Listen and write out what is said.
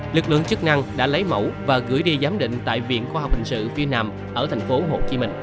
lực lượng chức năng đã lấy mẫu và gửi đi giám định tại viện khoa học hình sự việt nam ở thành phố